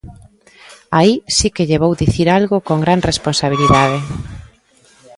Aí si que lle vou dicir algo con gran responsabilidade.